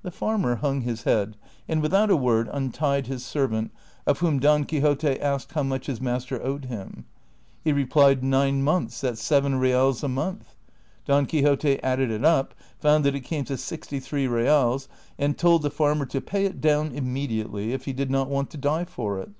The farmer hung his head, and without a Avord untied his servant, of whom Don Quixote asked how. mucli his master owed him. He replied, nine months at seven reals a month. Don Quixote added it up, found that it came to sixty three reals, and told the farmer to pay it down imjuediately, if he did not want to die for it.